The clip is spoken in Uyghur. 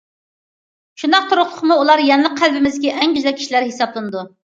شۇنداق تۇرۇقلۇقمۇ، ئۇلار يەنىلا قەلبىمىزدىكى ئەڭ گۈزەل كىشىلەر ھېسابلىنىدۇ.